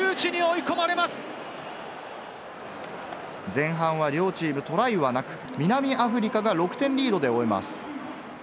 前半は両チーム、トライはなく、南アフリカが６点リードで終えます。